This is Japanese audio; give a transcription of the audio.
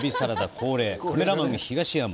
恒例、カメラマン東山。